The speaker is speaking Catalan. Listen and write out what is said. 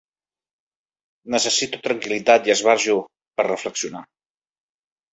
Necessito tranquil·litat i esbarjo per reflexionar.